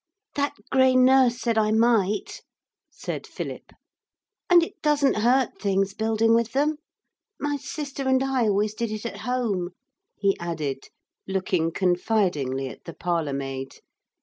'That grey nurse said I might,' said Philip, 'and it doesn't hurt things building with them. My sister and I always did it at home,' he added, looking confidingly at the parlour maid.